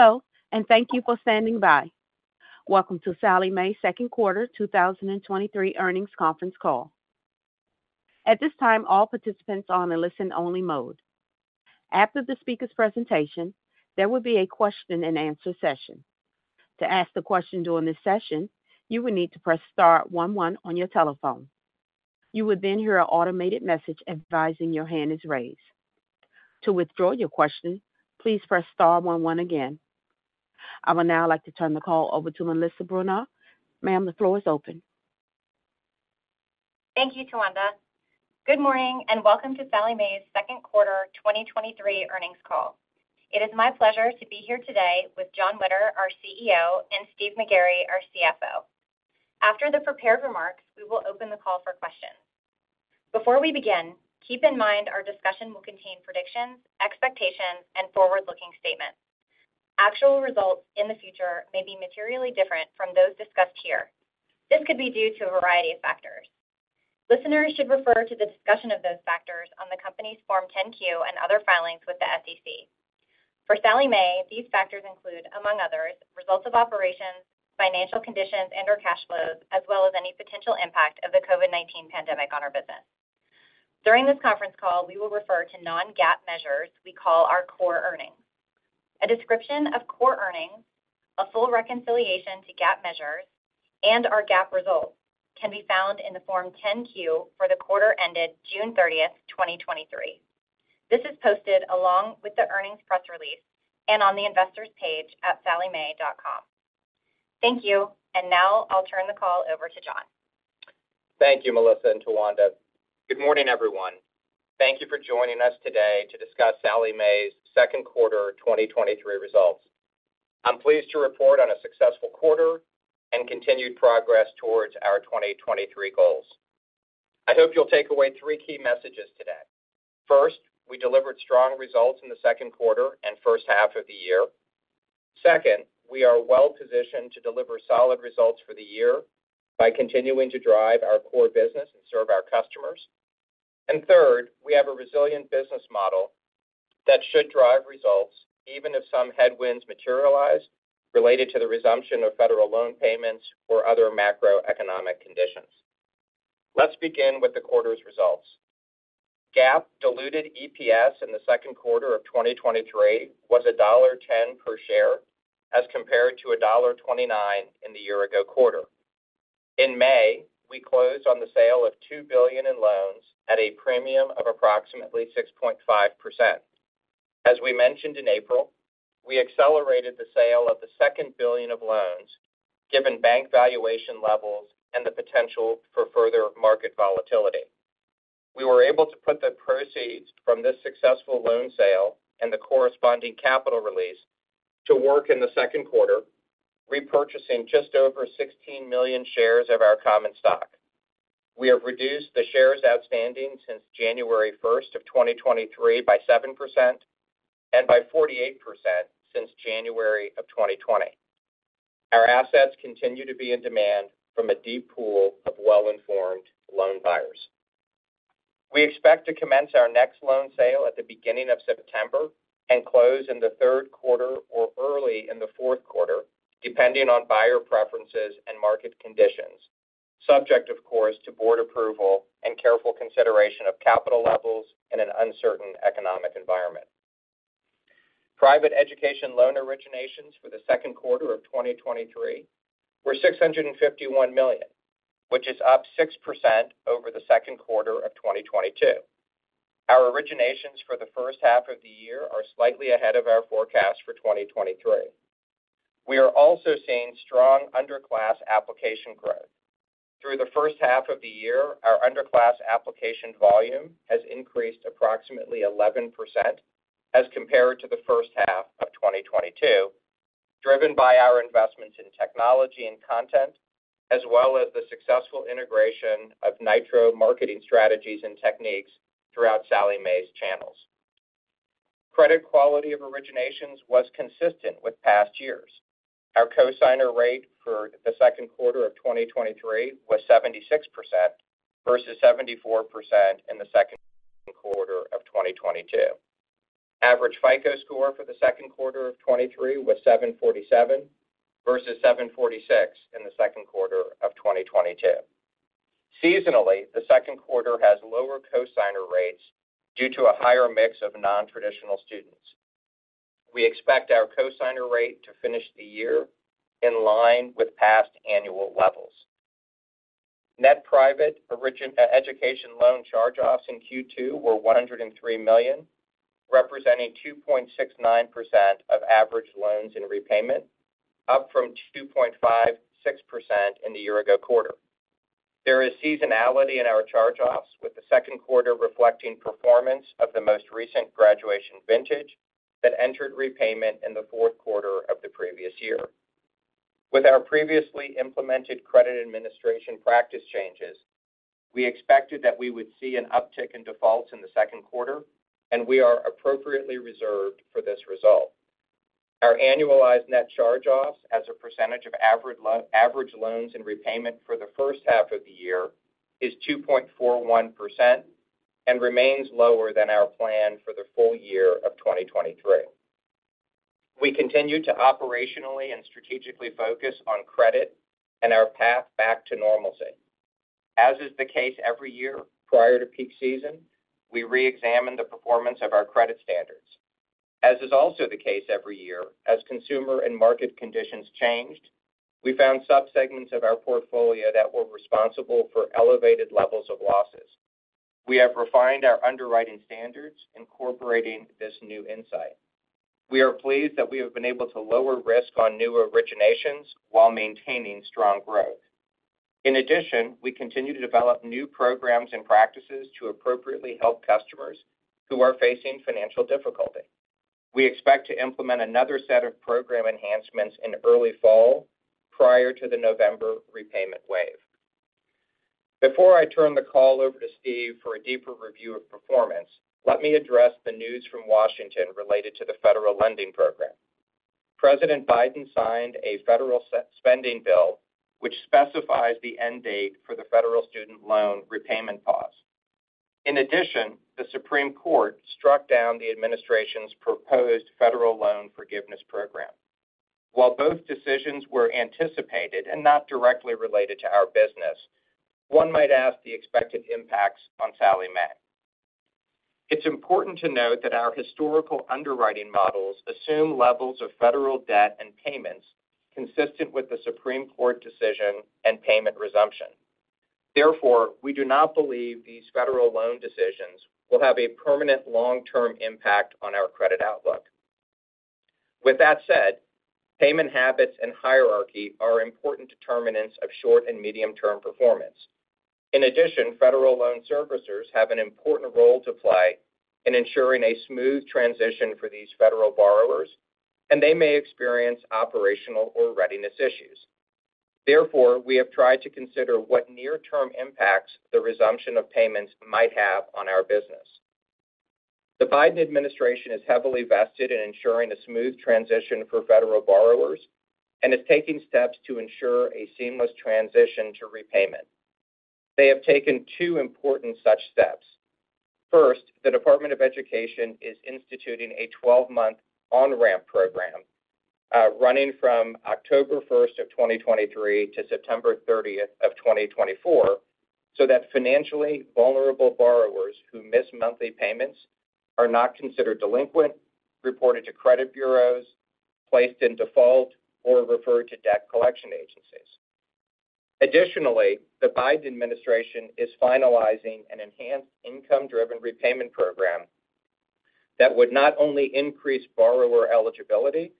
Hello, and thank you for standing by. Welcome to Sallie Mae's Q2 2023 earnings conference call. At this time, all participants are on a listen-only mode. After the speaker's presentation, there will be a question-and-answer session. To ask the question during this session, you will need to press star one one on your telephone. You will then hear an automated message advising your hand is raised. To withdraw your question, please press star one one again. I would now like to turn the call over to Melissa Bronaugh. Ma'am, the floor is open. Thank you, Towanda. Good morning, and welcome to Sallie Mae's Q2 2023 earnings call. It is my pleasure to be here today with Jonathan Witter, our CEO, and Steven McGarry, our CFO. After the prepared remarks, we will open the call for questions. Before we begin, keep in mind our discussion will contain predictions, expectations, and forward-looking statements. Actual results in the future may be materially different from those discussed here. This could be due to a variety of factors. Listeners should refer to the discussion of those factors on the company's Form 10-Q and other filings with the SEC. For Sallie Mae, these factors include, among others, results of operations, financial conditions, and/or cash flows, as well as any potential impact of the COVID-19 pandemic on our business. During this conference call, we will refer to non-GAAP measures we call our core earnings. A description of core earnings, a full reconciliation to GAAP measures, and our GAAP results can be found in the Form 10-Q for the quarter ended June 30th, 2023. This is posted along with the earnings press release and on the investors page at SallieMae.com. Thank you. Now I'll turn the call over to Jonathan. Thank you, Melissa and Towanda. Good morning, everyone. Thank you for joining us today to discuss Sallie Mae's Q2 2023 results. I'm pleased to report on a successful quarter and continued progress towards our 2023 goals. I hope you'll take away three key messages today. First, we delivered strong results in the Q2 and first half of the year. Second, we are well positioned to deliver solid results for the year by continuing to drive our core business and serve our customers. Third, we have a resilient business model that should drive results, even if some headwinds materialize related to the resumption of federal loan payments or other macroeconomic conditions. Let's begin with the quarter's results. GAAP diluted EPS in the Q2 of 2023 was $1.10 per share, as compared to $1.29 in the year-ago quarter. In May, we closed on the sale of $2 billion in loans at a premium of approximately 6.5%. As we mentioned in April, we accelerated the sale of the second billion of loans, given bank valuation levels and the potential for further market volatility. We were able to put the proceeds from this successful loan sale and the corresponding capital release to work in the Q2, repurchasing just over 16 million shares of our common stock. We have reduced the shares outstanding since January 1st, 2023 by 7% and by 48% since January 2020. Our assets continue to be in demand from a deep pool of well-informed loan buyers. We expect to commence our next loan sale at the beginning of September and close in the Q3 or early in the Q4, depending on buyer preferences and market conditions, subject, of course, to board approval and careful consideration of capital levels in an uncertain economic environment. Private education loan originations for the Q2 of 2023 were $651 million, which is up 6% over the Q2 of 2022. Our originations for the H1 of the year are slightly ahead of our forecast for 2023. We are also seeing strong underclass application growth. Through the H1 of the year, our underclass application volume has increased approximately 11% as compared to the H1 of 2022, driven by our investments in technology and content, as well as the successful integration of Nitro marketing strategies and techniques throughout Sallie Mae's channels. Credit quality of originations was consistent with past years. Our cosigner rate for the Q2 of 2023 was 76% versus 74% in the Q2 of 2022. Average FICO score for the Q2 of 2023 was 747 versus 746 in the Q2 of 2022. Seasonally, the Q2 has lower cosigner rates due to a higher mix of non-traditional students. We expect our cosigner rate to finish the year in line with past annual levels. Net private origin education loan charge-offs in Q2 were $103 million, representing 2.69% of average loans in repayment, up from 2.56% in the year-ago quarter. There is seasonality in our charge-offs, with the Q2 reflecting performance of the most recent graduation vintage that entered repayment in the Q4 of the previous year. With our previously implemented credit administration practice changes, we expected that we would see an uptick in defaults in the Q2, and we are appropriately reserved for this result. Our annualized net charge-offs as a percentage of average loans in repayment for the H1 of the year is 2.41% and remains lower than our plan for the full year of 2023. We continue to operationally and strategically focus on credit and our path back to normalcy. As is the case every year prior to peak season, we reexamine the performance of our credit standards. As is also the case every year, as consumer and market conditions changed, we found subsegments of our portfolio that were responsible for elevated levels of losses. We have refined our underwriting standards, incorporating this new insight. We are pleased that we have been able to lower risk on new originations while maintaining strong growth. In addition, we continue to develop new programs and practices to appropriately help customers who are facing financial difficulty. We expect to implement another set of program enhancements in early fall, prior to the November repayment wave. Before I turn the call over to Steven for a deeper review of performance, let me address the news from Washington related to the federal lending program. President Biden signed a federal spending bill, which specifies the end date for the federal student loan repayment pause. The Supreme Court struck down the administration's proposed federal loan forgiveness program. While both decisions were anticipated and not directly related to our business, one might ask the expected impacts on Sallie Mae. It's important to note that our historical underwriting models assume levels of federal debt and payments consistent with the Supreme Court decision and payment resumption. We do not believe these federal loan decisions will have a permanent long-term impact on our credit outlook. With that said, payment habits and hierarchy are important determinants of short and medium-term performance. Federal loan servicers have an important role to play in ensuring a smooth transition for these federal borrowers, and they may experience operational or readiness issues. Therefore, we have tried to consider what near-term impacts the resumption of payments might have on our business. The Biden administration is heavily vested in ensuring a smooth transition for federal borrowers and is taking steps to ensure a seamless transition to repayment. They have taken two important such steps. First, the Department of Education is instituting a 12-month on-ramp program, running from October 1, 2023-September 30, 2024, so that financially vulnerable borrowers who miss monthly payments are not considered delinquent, reported to credit bureaus, placed in default, or referred to debt collection agencies. Additionally, the Biden administration is finalizing an enhanced Income-Driven Repayment Program that would not only increase borrower eligibility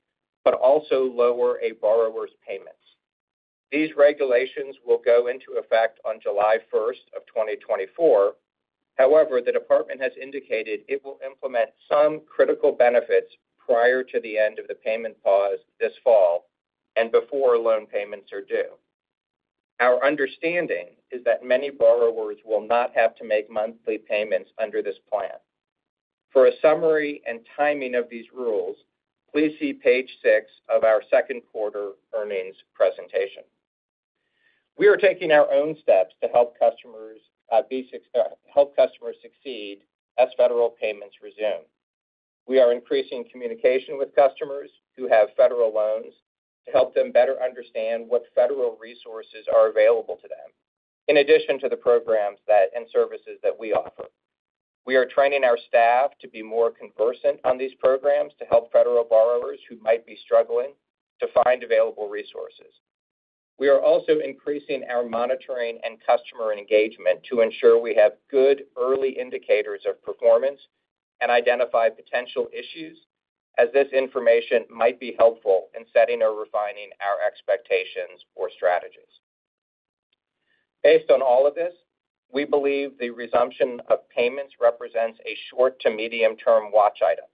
but also lower a borrower's payments. These regulations will go into effect on July 1, 2024. The department has indicated it will implement some critical benefits prior to the end of the payment pause this fall and before loan payments are due. Our understanding is that many borrowers will not have to make monthly payments under this plan. For a summary and timing of these rules, please see page six of our Q2 earnings presentation. We are taking our own steps to help customers succeed as federal payments resume. We are increasing communication with customers who have federal loans to help them better understand what federal resources are available to them, in addition to the programs and services that we offer. We are training our staff to be more conversant on these programs to help federal borrowers who might be struggling to find available resources. We are also increasing our monitoring and customer engagement to ensure we have good early indicators of performance and identify potential issues, as this information might be helpful in setting or refining our expectations or strategies. Based on all of this, we believe the resumption of payments represents a short to medium-term watch item.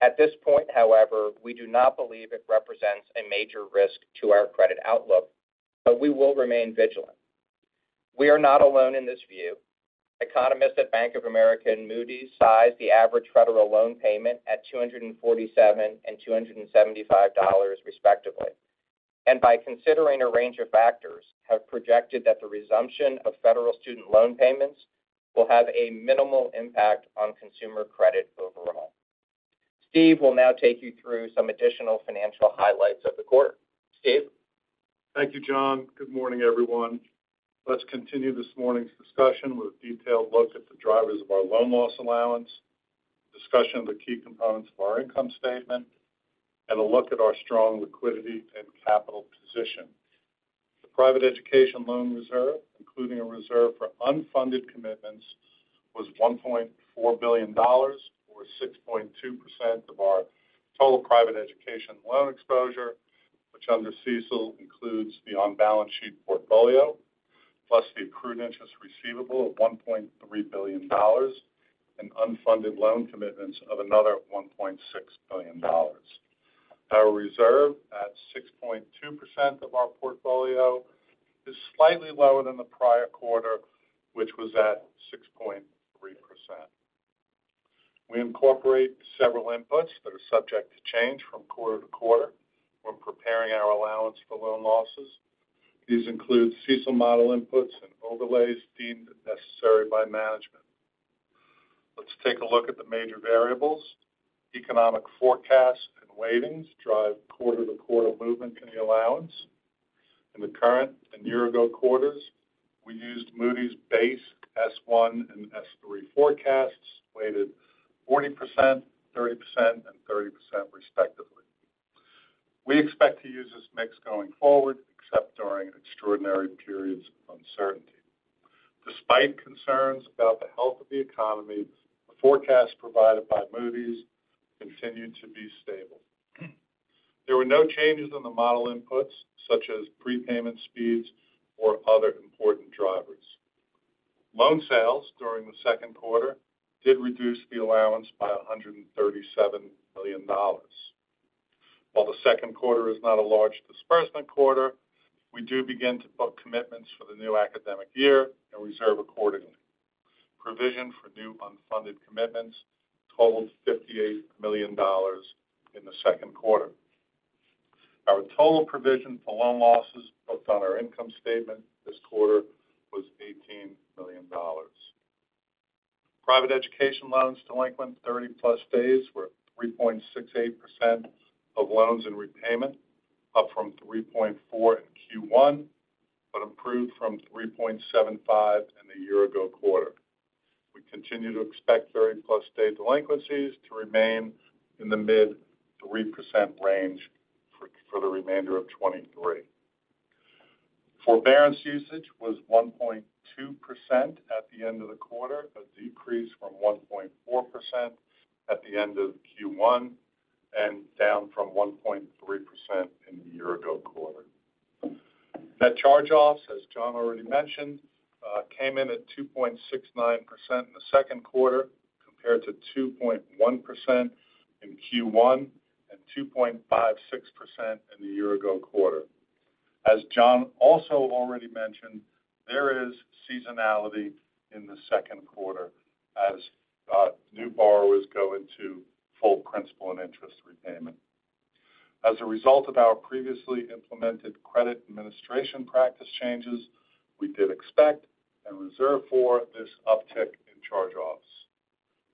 At this point, however, we do not believe it represents a major risk to our credit outlook, but we will remain vigilant. We are not alone in this view. Economists at Bank of America and Moody's size the average federal loan payment at $247 and $275, respectively, and by considering a range of factors, have projected that the resumption of federal student loan payments will have a minimal impact on consumer credit overall. Steven will now take you through some additional financial highlights of the quarter. Steve? Thank you, Jonathan. Good morning, everyone. Let's continue this morning's discussion with a detailed look at the drivers of our loan loss allowance, discussion of the key components of our income statement, and a look at our strong liquidity and capital position. The private education loan reserve, including a reserve for unfunded commitments, was $1.4 billion, or 6.2% of our total private education loan exposure, which under CECL, includes the on-balance sheet portfolio, plus the accrued interest receivable of $1.3 billion and unfunded loan commitments of another $1.6 billion. Our reserve, at 6.2% of our portfolio, is slightly lower than the prior quarter, which was at 6.3%. We incorporate several inputs that are subject to change from quarter-to-quarter when preparing our allowance for loan losses. These include CECL model inputs and overlays deemed necessary by management. Let's take a look at the major variables. Economic forecasts and weightings drive quarter-to-quarter movement in the allowance. In the current and year-ago quarters, we used Moody's base S1 and S3 forecasts, weighted 40%, 30%, and 30% respectively. We expect to use this mix going forward, except during extraordinary periods of uncertainty. Despite concerns about the health of the economy, the forecast provided by Moody's continued to be stable. There were no changes in the model inputs, such as prepayment speeds or other important drivers. Loan sales during the Q2 did reduce the allowance by $137 million. While the Q2 is not a large disbursement quarter, we do begin to book commitments for the new academic year and reserve accordingly. Provision for new unfunded commitments totaled $58 million in the Q2. Our total provision for loan losses booked on our income statement this quarter was $18 million. Private education loans delinquent 30-plus days were 3.68% of loans in repayment, up from 3.4% in Q1, but improved from 3.75% in the year-ago quarter. We continue to expect 30-plus day delinquencies to remain in the mid 3% range for the remainder of 2023. Forbearance usage was 1.2% at the end of the quarter, a decrease from 1.4% at the end of Q1 and down from 1.3% in the year-ago quarter. Net charge-offs, as Jonathan already mentioned, came in at 2.69% in the Q2, compared to 2.1% in Q1 and 2.56% in the year-ago quarter. As Jonathan also already mentioned, there is seasonality in the Q2 as new borrowers go into full principal and interest repayment. As a result of our previously implemented credit administration practice changes, we did expect and reserve for this uptick in charge-offs.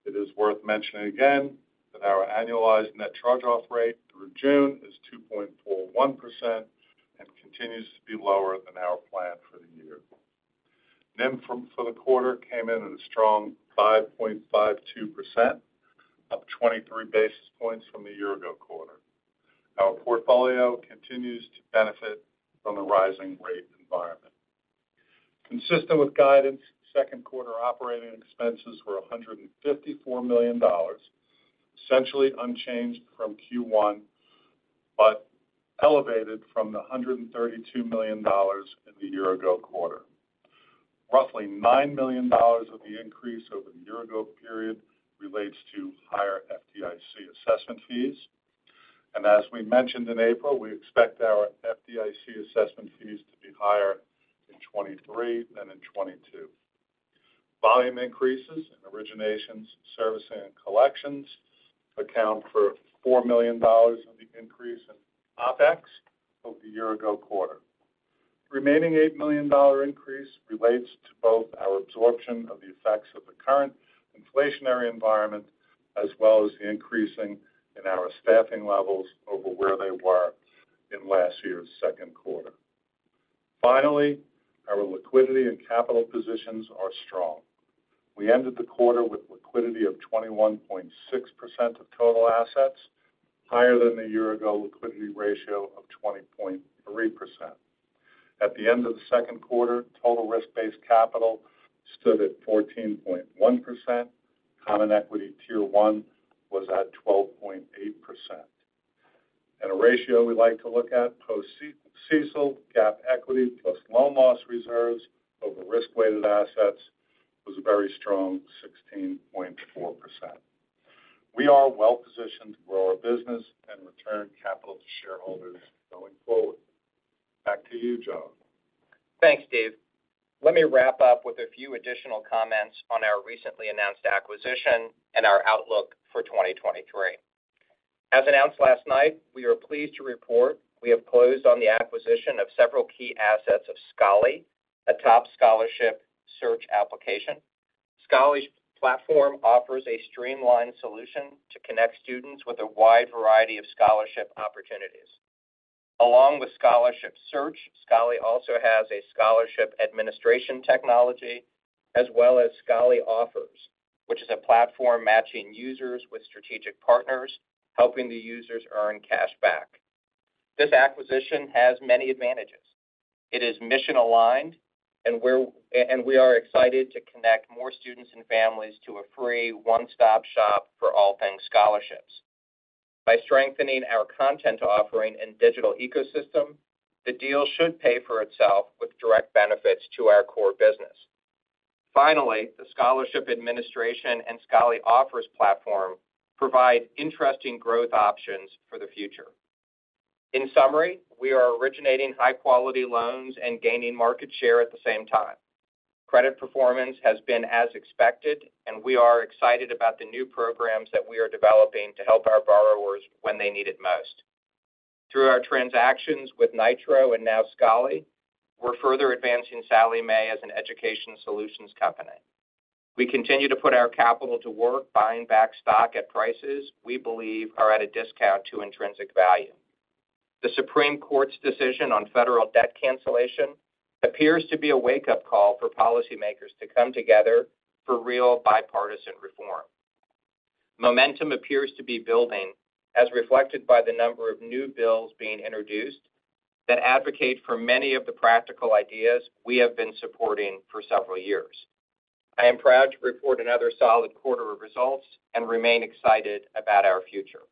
It is worth mentioning again that our annualized net charge-off rate through June is 2.41% and continues to be lower than our plan for the year. NIM for the quarter came in at a strong 5.52%, up 23 basis points from the year-ago quarter. Our portfolio continues to benefit from the rising rate environment. Consistent with guidance, Q2 operating expenses were $154 million, essentially unchanged from Q1, but elevated from the $132 million in the year-ago quarter. Roughly $9 million of the increase over the year-ago period relates to higher FDIC assessment fees. As we mentioned in April, we expect our FDIC assessment fees to be higher in 2023 than in 2022. Volume increases in originations, servicing, and collections account for $4 million of the increase in OpEx over the year-ago quarter. The remaining $8 million increase relates to both our absorption of the effects of the current inflationary environment, as well as the increasing in our staffing levels over where they were in last year's Q2. Finally, our liquidity and capital positions are strong. We ended the quarter with liquidity of 21.6% of total assets, higher than the year-ago liquidity ratio of 20.3%. At the end of the Q2, total risk-based capital stood at 14.1%. Common Equity T1 was at 12.8%. A ratio we like to look at, post-CECL, GAAP equity plus loan loss reserves over risk-weighted assets, was a very strong 16.4%. We are well positioned to grow our business and return capital to shareholders going forward. Back to you, Jonathan. Thanks, Steven. Let me wrap up with a few additional comments on our recently announced acquisition and our outlook for 2023. As announced last night, we are pleased to report we have closed on the acquisition of several key assets of Scholly, a top scholarship search application. Scholly's platform offers a streamlined solution to connect students with a wide variety of scholarship opportunities. Along with scholarship search, Scholly also has a scholarship administration technology as well as Scholly Offers, which is a platform matching users with strategic partners, helping the users earn cash back. This acquisition has many advantages. It is mission-aligned, and we are excited to connect more students and families to a free one-stop shop for all things scholarships. By strengthening our content offering and digital ecosystem, the deal should pay for itself with direct benefits to our core business. Finally, the scholarship administration and Scholly Offers platform provide interesting growth options for the future. In summary, we are originating high-quality loans and gaining market share at the same time. Credit performance has been as expected, and we are excited about the new programs that we are developing to help our borrowers when they need it most. Through our transactions with Nitro and now Scholly, we're further advancing Sallie Mae as an education solutions company. We continue to put our capital to work, buying back stock at prices we believe are at a discount to intrinsic value. The Supreme Court's decision on federal debt cancellation appears to be a wake-up call for policymakers to come together for real bipartisan reform. Momentum appears to be building, as reflected by the number of new bills being introduced that advocate for many of the practical ideas we have been supporting for several years. I am proud to report another solid quarter of results and remain excited about our future.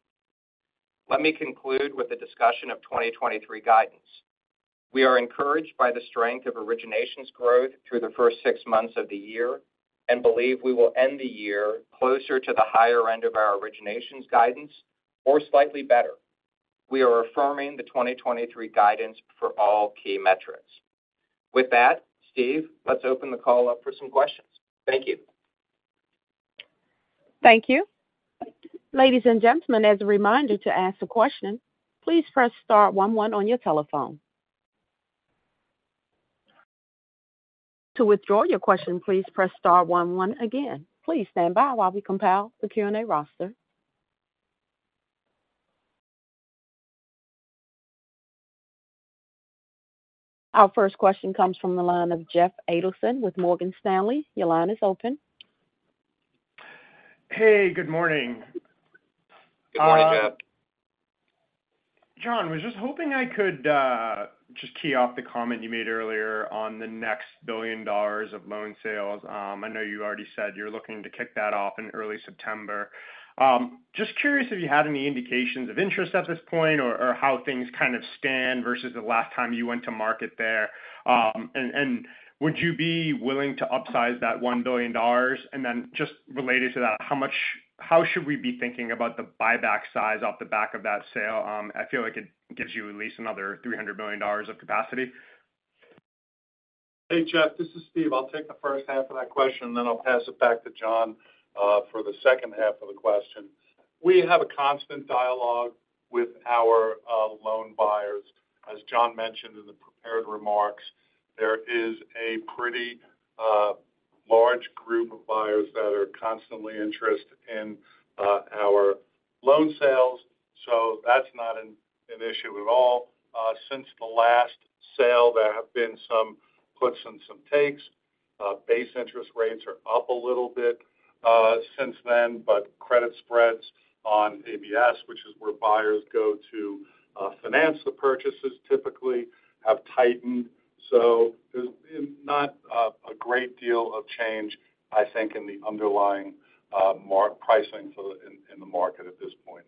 Let me conclude with a discussion of 2023 guidance. We are encouraged by the strength of originations growth through the first 6 months of the year and believe we will end the year closer to the higher end of our originations guidance or slightly better. We are affirming the 2023 guidance for all key metrics. With that, Steven, let's open the call up for some questions. Thank you. Thank you. Ladies and gentlemen, as a reminder to ask a question, please press star one one on your telephone. To withdraw your question, please press star one one again. Please stand by while we compile the Q&A roster. Our first question comes from the line of Jeffrey Adelson with Morgan Stanley. Your line is open. Hey, good morning. Good morning, Jeff. John, was just hoping I could just key off the comment you made earlier on the next $1 billion of loan sales. I know you already said you're looking to kick that off in early September. Just curious if you had any indications of interest at this point or how things kind of stand versus the last time you went to market there? Would you be willing to upsize that $1 billion? Just related to that, how should we be thinking about the buyback size off the back of that sale? I feel like it gives you at least another $300 million of capacity. Hey, Jeff, this is Steven. I'll take the first half of that question, and then I'll pass it back to Jonathan for the second half of the question. We have a constant dialogue with our loan buyers. As Jonathan mentioned in the prepared remarks, there is a pretty large group of buyers that are constantly interested in our loan sales, so that's not an issue at all. Since the last sale, there have been some puts and some takes. Base interest rates are up a little bit since then, but credit spreads on ABS, which is where buyers go to finance the purchases, typically have tightened. There's not a great deal of change, I think, in the underlying pricing for the in the market at this point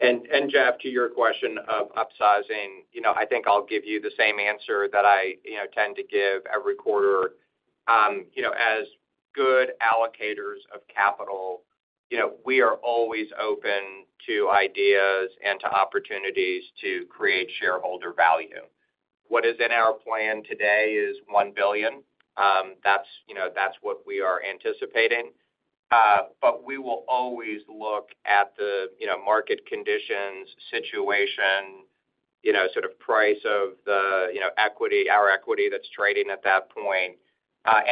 in time. Jeff, to your question of upsizing, I think I'll give you the same answer that I tend to give every quarter. As good allocators of capital, we are always open to ideas and to opportunities to create shareholder value. What is in our plan today is $1 billion. That's what we are anticipating. We will always look at the market conditions, situation, sort of price of the equity, our equity that's trading at that point.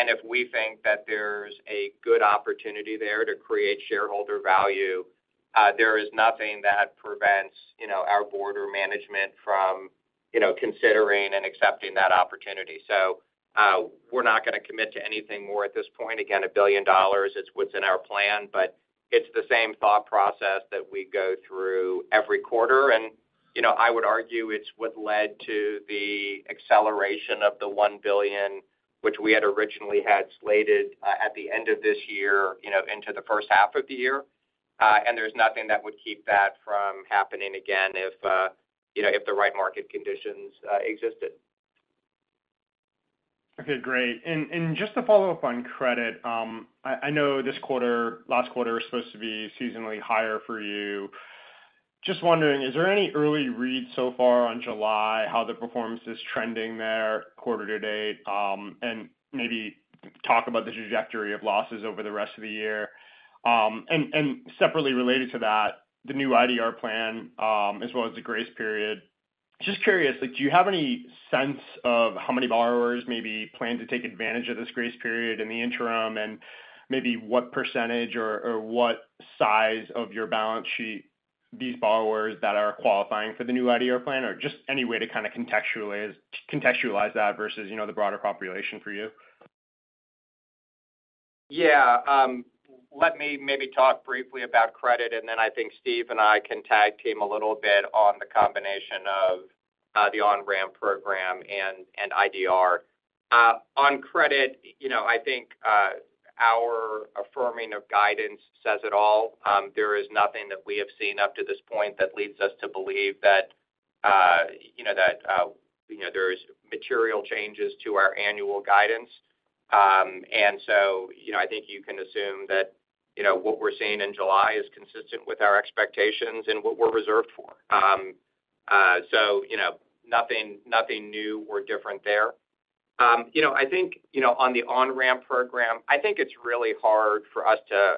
If we think that there's a good opportunity there to create shareholder value, there is nothing that prevents our board or management from considering and accepting that opportunity. We're not going to commit to anything more at this point. Again, $1 billion is what's in our plan, but it's the same thought process that we go through every quarter. You know, I would argue it's what led to the acceleration of the $1 billion, which we had originally had slated at the end of this year, you know, into the H1 of the year. There's nothing that would keep that from happening again if, you know, if the right market conditions existed. Okay, great. Just to follow up on credit, I know this quarter, last quarter was supposed to be seasonally higher for you. Just wondering, is there any early read so far on July, how the performance is trending there quarter to date? Maybe talk about the trajectory of losses over the rest of the year. Separately related to that, the new IDR plan, as well as the grace period. Just curious, like, do you have any sense of how many borrowers maybe plan to take advantage of this grace period in the interim? Maybe what percentage or what size of your balance sheet, these borrowers that are qualifying for the new IDR plan, or just any way to kind of contextualize that versus, you know, the broader population for you? Yeah, let me maybe talk briefly about credit. Then I think Steven and I can tag team a little bit on the combination of the on-ramp program and IDR. On credit, you know, I think our affirming of guidance says it all. There is nothing that we have seen up to this point that leads us to believe that, you know, there's material changes to our annual guidance. You know, I think you can assume that, you know, what we're seeing in July is consistent with our expectations and what we're reserved for. You know, nothing new or different there. you know, I think, you know, on the on-ramp program, I think it's really hard for us to,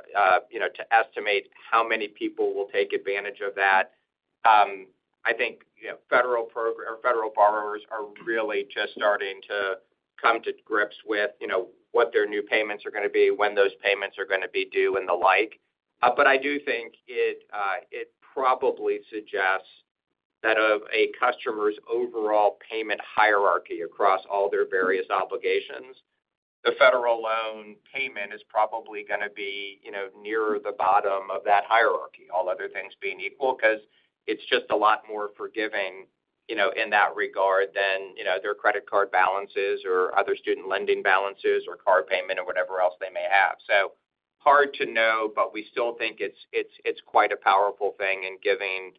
you know, to estimate how many people will take advantage of that. I think, you know, federal borrowers are really just starting to come to grips with, you know, what their new payments are going to be, when those payments are going to be due, and the like. I do think it probably suggests that of a customer's overall payment hierarchy across all their various obligations, the federal loan payment is probably gonna be, you know, nearer the bottom of that hierarchy, all other things being equal, because it's just a lot more forgiving, you know, in that regard than, you know, their credit card balances or other student lending balances or car payment or whatever else they may have. Hard to know, but we still think it's quite a powerful thing in giving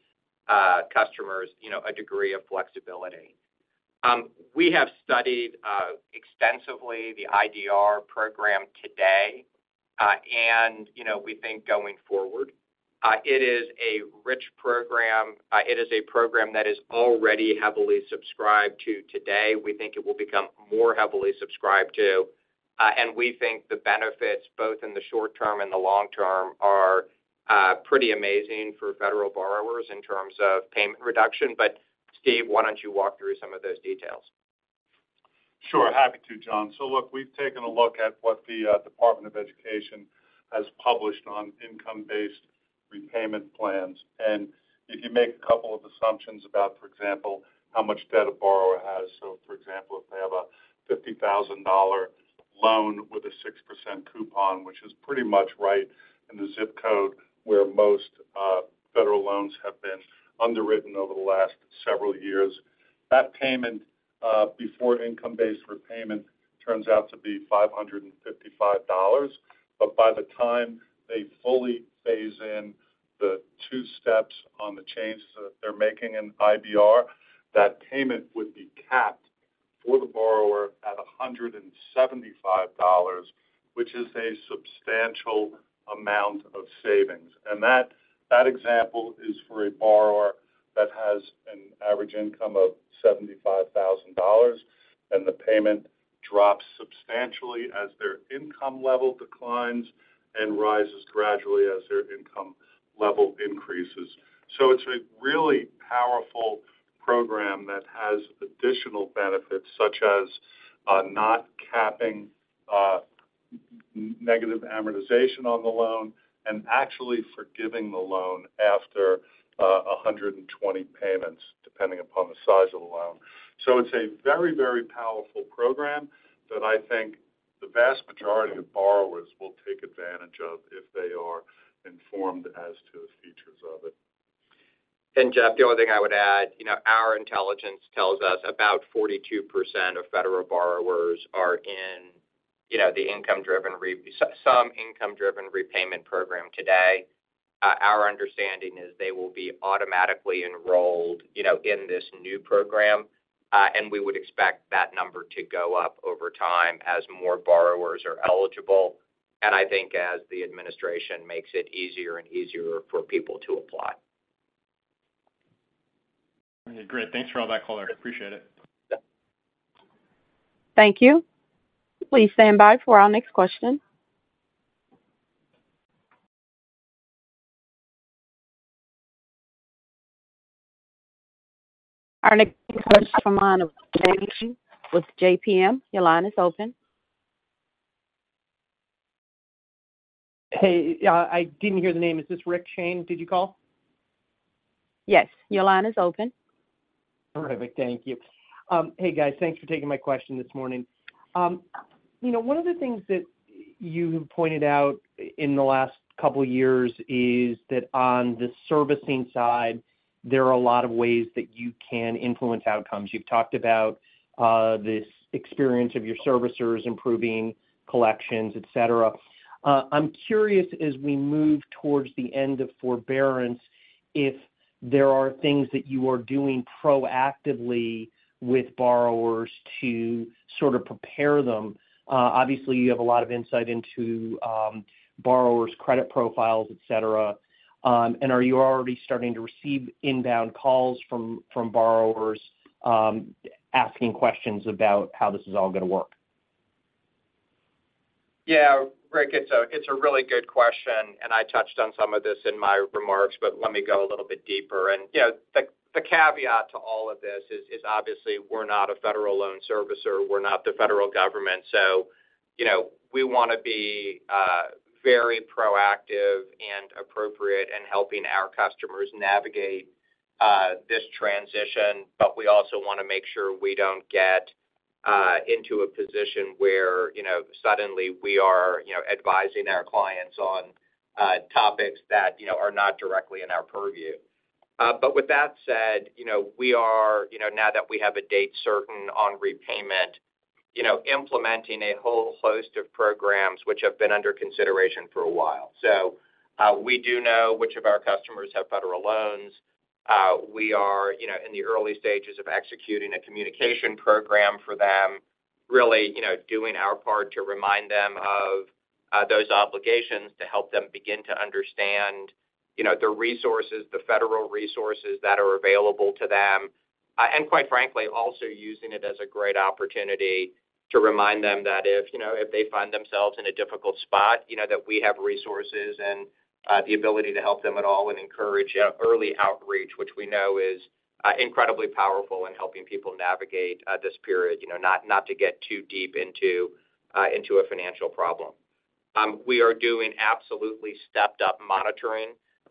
customers, you know, a degree of flexibility. We have studied extensively the IDR program today, and, you know, we think going forward. It is a rich program. It is a program that is already heavily subscribed to today. We think it will become more heavily subscribed to, and we think the benefits, both in the short term and the long term, are pretty amazing for federal borrowers in terms of payment reduction. Steven, why don't you walk through some of those details? Sure. Happy to, Jonathan. Look, we've taken a look at what the Department of Education has published on income-based repayment plans. If you make a couple of assumptions about, for example, how much debt a borrower has, for example, if they have a $50,000 loan with a 6% coupon, which is pretty much right in the ZIP code where most federal loans have been underwritten over the last several years, that payment before income-based repayment turns out to be $555. By the time they fully phase in the two steps on the changes that they're making in IBR, that payment would be capped for the borrower at $175, which is a substantial amount of savings. That, that example is for a borrower that has an average income of $75,000, and the payment drops substantially as their income level declines and rises gradually as their income level increases. It's a really powerful program that has additional benefits, such as, not capping, negative amortization on the loan and actually forgiving the loan after, 120 payments, depending upon the size of the loan. It's a very, very powerful program that I think the vast majority of borrowers will take advantage of if they are informed as to the features of it. Jeff, the only thing I would add, you know, our intelligence tells us about 42% of federal borrowers are in, you know, some Income-Driven Repayment program today. Our understanding is they will be automatically enrolled, you know, in this new program, and we would expect that number to go up over time as more borrowers are eligible, and I think as the administration makes it easier and easier for people to apply. Great. Thanks for all that, Towanda. I appreciate it. Thank you. Please stand by for our next question. Our next question comes from the line of Shane with JPM. Your line is open. Hey, I didn't hear the name. Is this Richard Shane, did you call? Yes, your line is open. Terrific. Thank you. Hey, guys, thanks for taking my question this morning. You know, one of the things that you have pointed out in the last couple of years is that on the servicing side, there are a lot of ways that you can influence outcomes. You've talked about, this experience of your servicers improving collections, et cetera. I'm curious, as we move towards the end of forbearance, if there are things that you are doing proactively with borrowers to sort of prepare them. Obviously, you have a lot of insight into, borrowers' credit profiles, et cetera. Are you already starting to receive inbound calls from borrowers, asking questions about how this is all going to work? Yeah, Rick, it's a really good question, and I touched on some of this in my remarks, but let me go a little bit deeper. You know, the caveat to all of this is obviously we're not a federal loan servicer, we're not the federal government. You know, we want to be very proactive and appropriate in helping our customers navigate this transition. We also want to make sure we don't get into a position where, you know, suddenly we are, you know, advising our clients on topics that, you know, are not directly in our purview. With that said, you know, we are, you know, now that we have a date certain on repayment, you know, implementing a whole host of programs which have been under consideration for a while. We do know which of our customers have federal loans. We are, you know, in the early stages of executing a communication program for them, really, you know, doing our part to remind them of those obligations, to help them begin to understand, you know, the resources, the federal resources that are available to them. Quite frankly, also using it as a great opportunity to remind them that if, you know, if they find themselves in a difficult spot, you know, that we have resources and the ability to help them at all and encourage, you know, early outreach, which we know is incredibly powerful in helping people navigate this period, you know, not to get too deep into a financial problem. We are doing absolutely stepped-up monitoring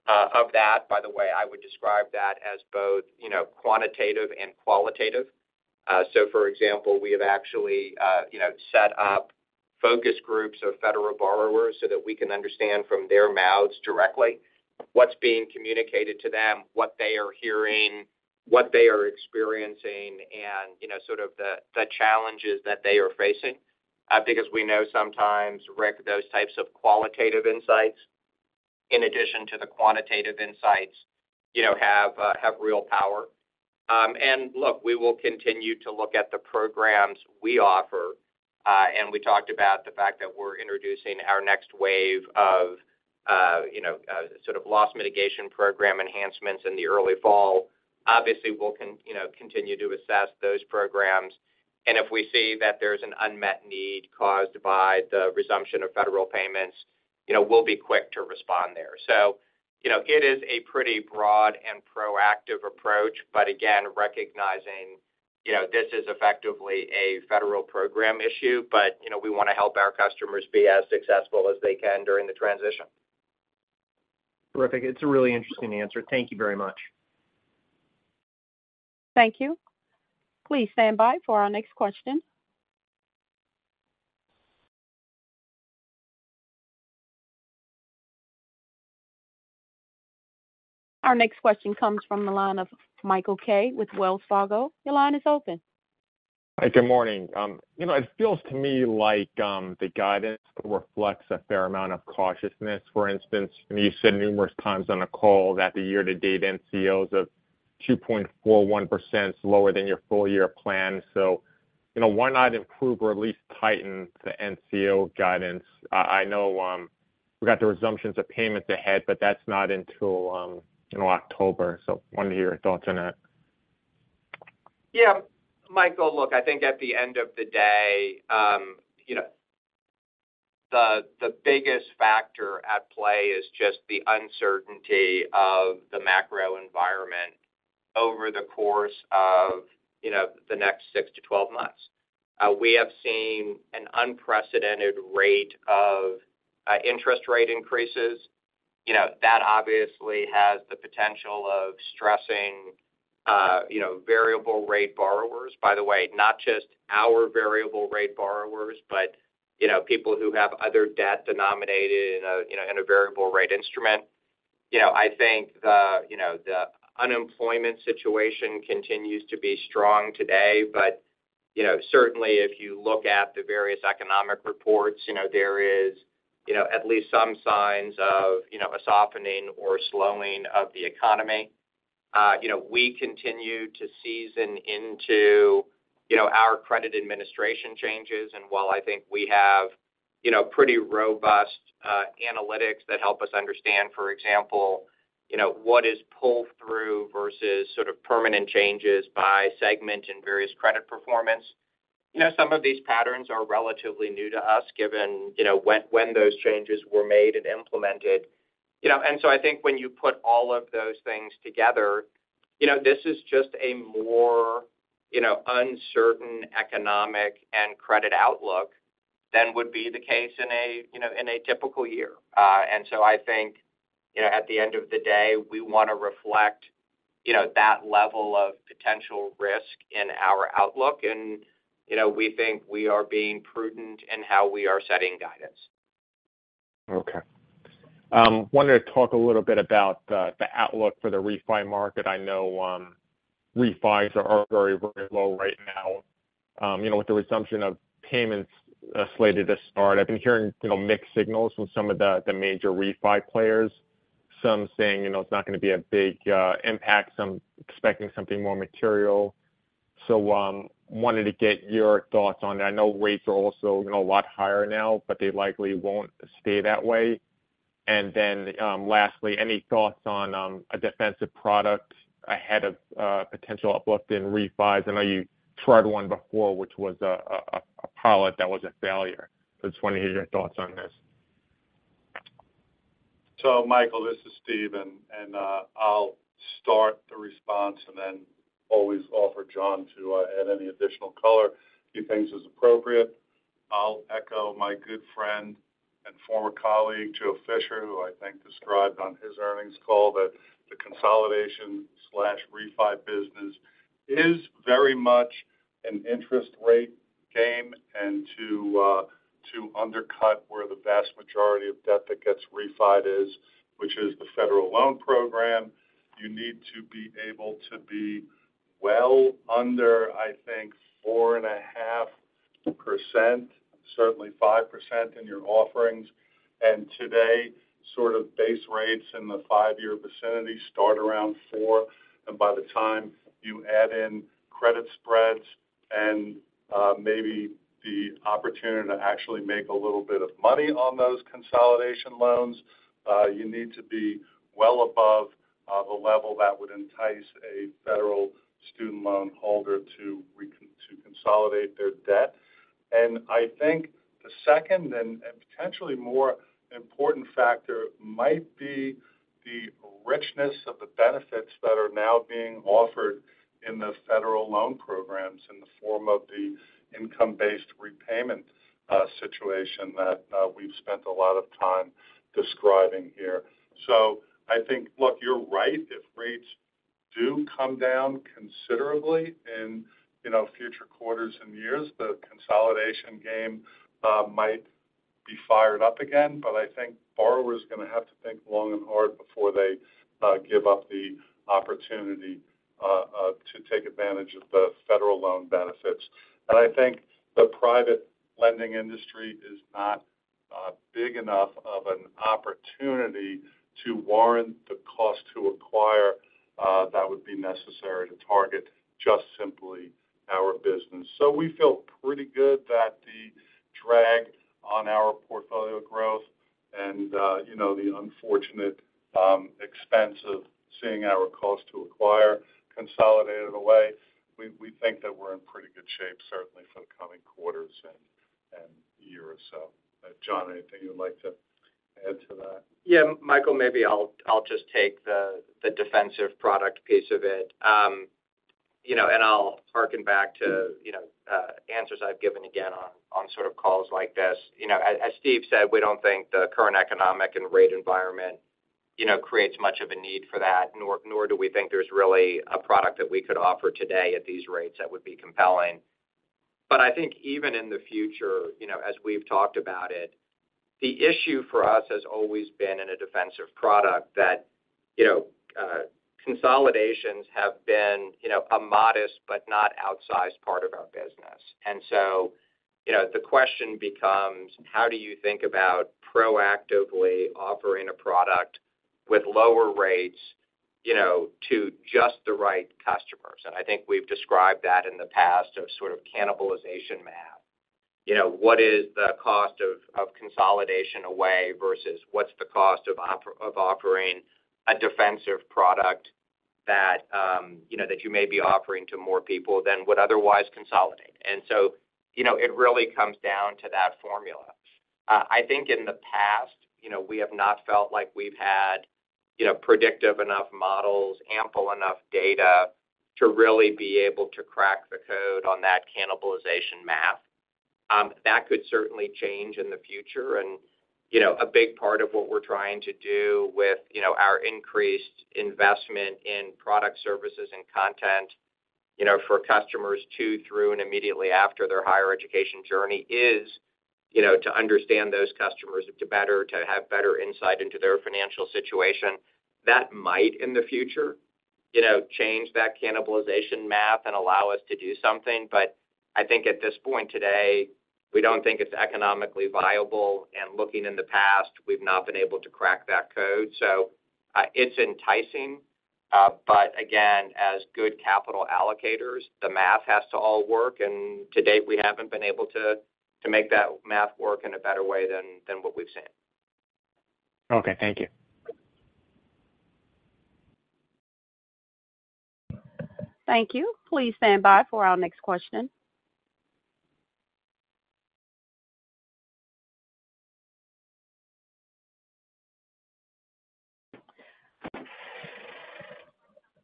of that. By the way, I would describe that as both, you know, quantitative and qualitative. For example, we have actually, you know, set up focus groups of federal borrowers so that we can understand from their mouths directly what's being communicated to them, what they are hearing, what they are experiencing, and, you know, sort of the challenges that they are facing. Because we know sometimes, Rick, those types of qualitative insights, in addition to the quantitative insights, you know, have real power. Look, we will continue to look at the programs we offer. We talked about the fact that we're introducing our next wave of, you know, sort of loss mitigation program enhancements in the early fall. Obviously, we'll you know, continue to assess those programs, and if we see that there's an unmet need caused by the resumption of federal payments, you know, we'll be quick to respond there. You know, it is a pretty broad and proactive approach, but again, recognizing, you know, this is effectively a federal program issue, but, you know, we want to help our customers be as successful as they can during the transition. Terrific. It's a really interesting answer. Thank you very much. Thank you. Please stand by for our next question. Our next question comes from the line of Michael Kaye with Wells Fargo. Your line is open. Hi, good morning. You know, it feels to me like the guidance reflects a fair amount of cautiousness. For instance, you've said numerous times on the call that the year-to-date NCOs of 2.41% is lower than your full-year plan. You know, why not improve or at least tighten the NCO guidance? I know, we got the resumptions of payments ahead, but that's not until, you know, October. I wanted to hear your thoughts on that. Yeah, Michael, look, I think at the end of the day, you know, the biggest factor at play is just the uncertainty of the macro environment over the course of, you know, the next six months-12 months. We have seen an unprecedented rate of interest rate increases. You know, that obviously has the potential of stressing, you know, variable rate borrowers. By the way, not just our variable rate borrowers, but you know, people who have other debt denominated in a, you know, in a variable rate instrument. You know, I think the unemployment situation continues to be strong today. You know, certainly if you look at the various economic reports, you know, there is, you know, at least some signs of, you know, a softening or slowing of the economy. You know, we continue to season into, you know, our credit administration changes. While I think we have, you know, pretty robust analytics that help us understand, for example, you know, what is pull through versus sort of permanent changes by segment and various credit performance. You know, some of these patterns are relatively new to us, given, you know, when those changes were made and implemented. I think when you put all of those things together, you know, this is just a more, you know, uncertain economic and credit outlook than would be the case in a, you know, in a typical year. I think, you know, at the end of the day, we want to reflect, you know, that level of potential risk in our outlook. You know, we think we are being prudent in how we are setting guidance. Okay, wanted to talk a little bit about the outlook for the refi market. I know refis are very, very low right now. You know, with the resumption of payments, slated to start, I've been hearing, you know, mixed signals from some of the major refi players. Some saying, you know, it's not going to be a big impact, some expecting something more material. Wanted to get your thoughts on that. I know rates are also, you know, a lot higher now, but they likely won't stay that way. Lastly, any thoughts on a defensive product ahead of potential uplift in refis? I know you tried one before, which was a pilot that was a failure. Just want to hear your thoughts on this. Michael Kaye, this is Steven McGarry, and I'll start the response and then always offer Jonathan Witter to add any additional color he thinks is appropriate. I'll echo my good friend and former colleague, Joe Fisher, who I think described on his earnings call that the consolidation/refi business is very much an interest rate game and to undercut where the vast majority of debt that gets refied is, which is the federal loan program. You need to be able to be well under, I think, 4.5%, certainly 5% in your offerings. Today, sort of base rates in the five-year vicinity start around four, and by the time you add in credit spreads and maybe the opportunity to actually make a little bit of money on those consolidation loans, you need to be well above the level that would entice a federal student loan holder to consolidate their debt. I think the second and potentially more important factor might be the richness of the benefits that are now being offered in the federal loan programs, in the form of the Income-Based Repayment situation that we've spent a lot of time describing here. I think, look, you're right. If rates do come down considerably in, you know, future quarters and years, the consolidation game might be fired up again. I think borrowers are going to have to think long and hard before they give up the opportunity to take advantage of the federal loan benefits. I think the private lending industry is not big enough of an opportunity to warrant the cost to acquire that would be necessary to target just simply our business. We feel pretty good that the drag on our portfolio growth and, you know, the unfortunate expense of seeing our cost to acquire consolidated away. We think that we're in pretty good shape, certainly for the coming quarters and year or so. Jonathan, anything you'd like to add to that? Yeah, Michael, maybe I'll just take the defensive product piece of it. You know, I'll hearken back to, you know, answers I've given again on sort of calls like this. You know, as Steve said, we don't think the current economic and rate environment, you know, creates much of a need for that, nor do we think there's really a product that we could offer today at these rates that would be compelling. I think even in the future, you know, as we've talked about it, the issue for us has always been in a defensive product that, you know, consolidations have been, you know, a modest but not outsized part of our business. You know, the question becomes: How do you think about proactively offering a product with lower rates, you know, to just the right customers? I think we've described that in the past of sort of cannibalization math. You know, what is the cost of consolidation away versus what's the cost of offering a defensive product that, you know, that you may be offering to more people than would otherwise consolidate. You know, it really comes down to that formula. I think in the past, you know, we have not felt like we've had, you know, predictive enough models, ample enough data to really be able to crack the code on that cannibalization math. That could certainly change in the future. You know, a big part of what we're trying to do with, you know, our increased investment in product services and content, you know, for customers to through and immediately after their higher education journey is, you know, to understand those customers, to have better insight into their financial situation. That might, in the future, you know, change that cannibalization math and allow us to do something. I think at this point today, we don't think it's economically viable. Looking in the past, we've not been able to crack that code. It's enticing, but again, as good capital allocators, the math has to all work, and to date, we haven't been able to make that math work in a better way than what we've seen. Okay, thank you. Thank you. Please stand by for our next question.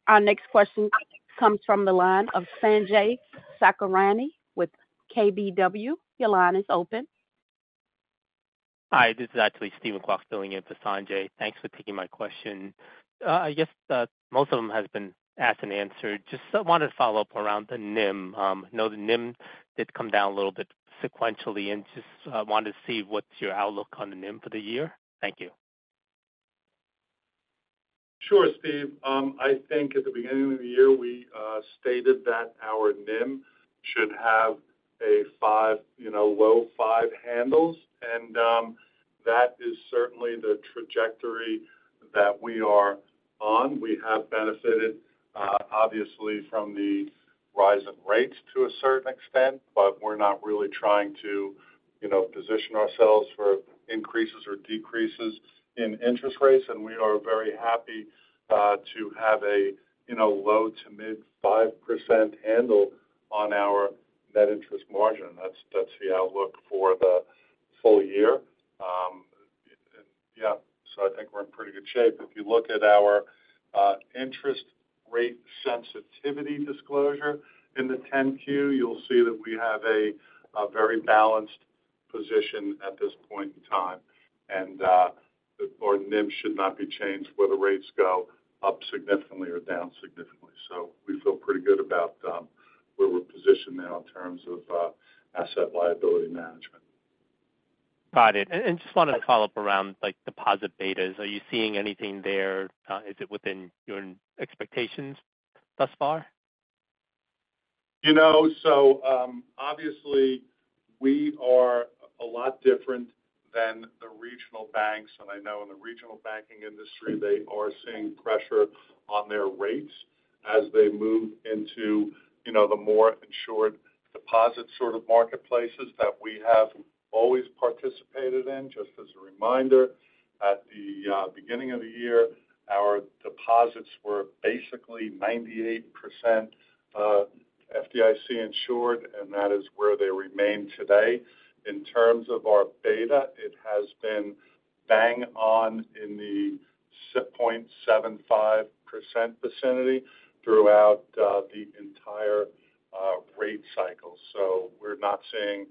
Our next question comes from the line of Sanjay Sakhrani with KBW. Your line is open. Hi, this is actually Steven Kwok filling in for Sanjay. Thanks for taking my question. I guess most of them has been asked and answered. Just wanted to follow up around the NIM. The NIM did come down a little bit sequentially and just wanted to see what's your outlook on the NIM for the year. Thank you. Sure, Steven. I think at the beginning of the year, we stated that our NIM should have a five, low five handles, that is certainly the trajectory that we are on. We have benefited, obviously from the rise in rates to a certain extent, we're not really trying to position ourselves for increases or decreases in interest rates. We are very happy to have a low to mid 5% handle on our net interest margin. That's the outlook for the full year. I think we're in pretty good shape. If you look at our interest rate sensitivity disclosure in the 10-Q, you'll see that we have a very balanced... positioned at this point in time, and our NIM should not be changed whether rates go up significantly or down significantly. We feel pretty good about where we're positioned now in terms of asset liability management. Got it. Just wanted to follow up around like deposit betas. Are you seeing anything there? Is it within your expectations thus far? You know, obviously, we are a lot different than the regional banks. I know in the regional banking industry, they are seeing pressure on their rates as they move into, you know, the more insured deposit sort of marketplaces that we have always participated in. Just as a reminder, at the beginning of the year, our deposits were basically 98% FDIC insured, and that is where they remain today. In terms of our beta, it has been bang on in the 6.75% vicinity throughout the entire rate cycle. We're not seeing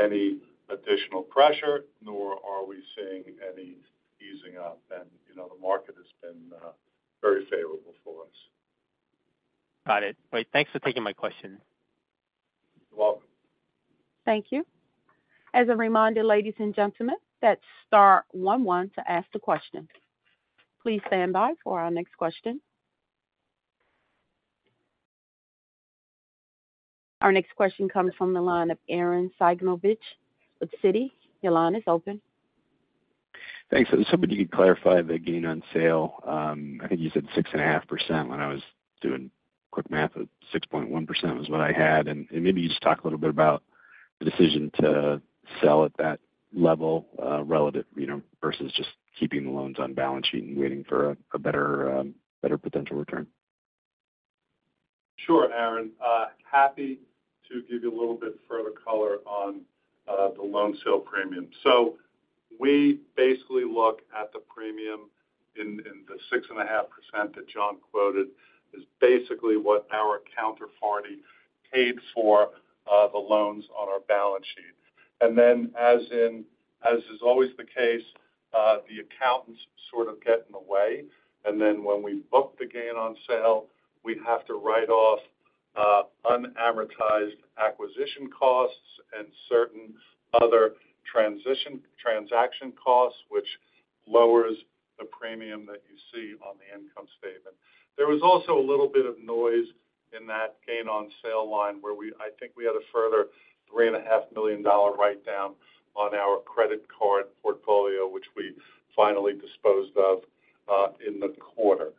any additional pressure, nor are we seeing any easing up and, you know, the market has been very favorable for us. Got it. Great. Thanks for taking my question. You're welcome. Thank you. As a reminder, ladies and gentlemen, that's star one one to ask the question. Please stand by for our next question. Our next question comes from the line of Arren Cyganovich with Citi. Your line is open. Thanks. I was hoping you could clarify the gain on sale. I think you said 6.5%. When I was doing quick math, it was 6.1% is what I had. Maybe you just talk a little bit about the decision to sell at that level, relative, you know, versus just keeping the loans on balance sheet and waiting for a better potential return. Sure, Arren. happy to give you a little bit further color on the loan sale premium. We basically look at the premium in the 6.5% that Jonathan quoted, is basically what our counterparty paid for the loans on our balance sheet. As is always the case, the accountants sort of get in the way, when we book the gain on sale, we have to write off unamortized acquisition costs and certain other transition transaction costs, which lowers the premium that you see on the income statement. There was also a little bit of noise in that gain on sale line, where I think we had a further three and a half million dollar write-down on our credit card portfolio, which we finally disposed of in the quarter.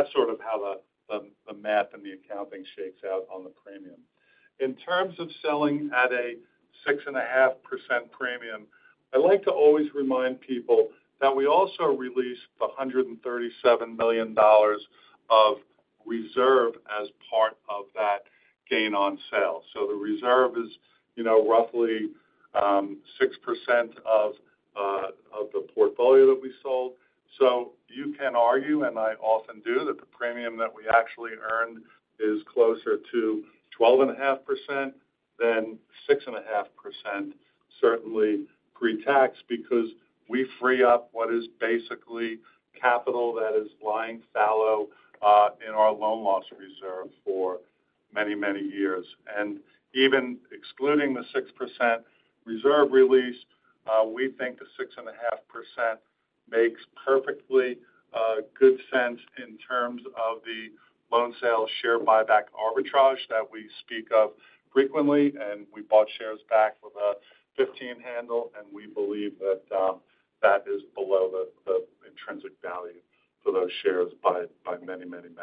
That's sort of how the math and the accounting shakes out on the premium. In terms of selling at a 6.5% premium, I'd like to always remind people that we also released $137 million of reserve as part of that gain on sale. The reserve is, you know, roughly 6% of the portfolio that we sold. You can argue, and I often do, that the premium that we actually earned is closer to 12.5% than 6.5%, certainly pre-tax, because we free up what is basically capital that is lying fallow in our loan loss reserve for many, many years. Even excluding the 6% reserve release, we think the 6.5% makes perfectly good sense in terms of the loan sale share buyback arbitrage that we speak of frequently. We bought shares back for the 15 handle, and we believe that is below the intrinsic value for those shares by many measures.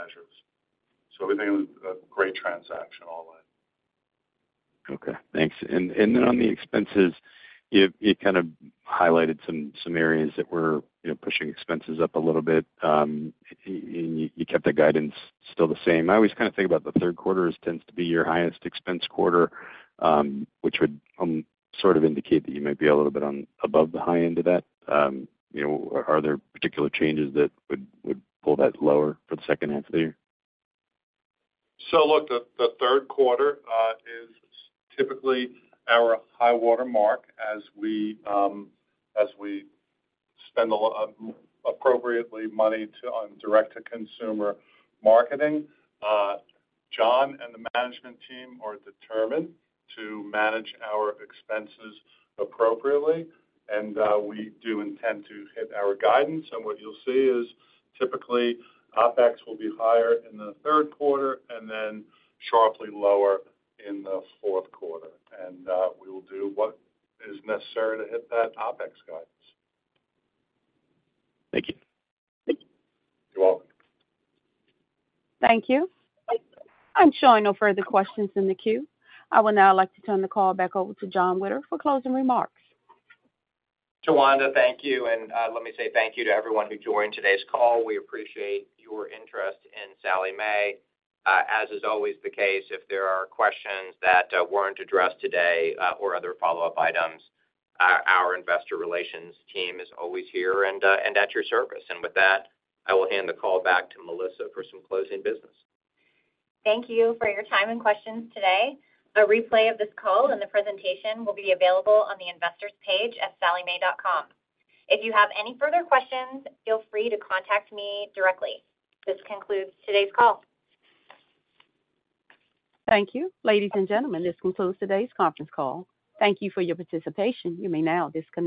We think it was a great transaction all the way. Okay, thanks. Then on the expenses, you kind of highlighted some areas that were, you know, pushing expenses up a little bit. You kept the guidance still the same. I always kind of think about the Q3 as tends to be your highest expense quarter, which would sort of indicate that you might be a little bit above the high end of that. You know, are there particular changes that would pull that lower for the H2 of the year? Look, the Q3 is typically our high-water mark as we spend a lot appropriately money to, on direct-to-consumer marketing. Jonathan and the management team are determined to manage our expenses appropriately, and we do intend to hit our guidance. What you'll see is typically, OpEx will be higher in the Q3 and then sharply lower in the Q4. We will do what is necessary to hit that OpEx guidance. Thank you. You're welcome. Thank you. I'm showing no further questions in the queue. I would now like to turn the call back over to Jonathan Witter for closing remarks. Towanda, thank you. Let me say thank you to everyone who joined today's call. We appreciate your interest in Sallie Mae. As is always the case, if there are questions that weren't addressed today or other follow-up items, our investor relations team is always here and at your service. With that, I will hand the call back to Melissa for some closing business. Thank you for your time and questions today. A replay of this call and the presentation will be available on the investors page at SallieMae.com. If you have any further questions, feel free to contact me directly. This concludes today's call. Thank you. Ladies and gentlemen, this concludes today's conference call. Thank you for your participation. You may now disconnect.